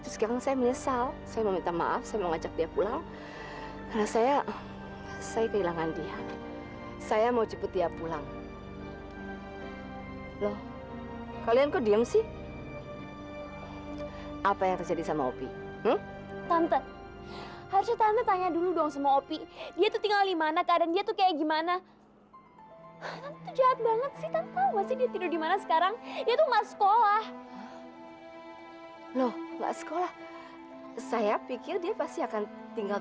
saya harus berterima kasih karena